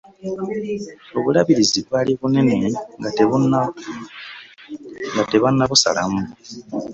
Obulabirizi bwali bunene nga tebannabusalamu.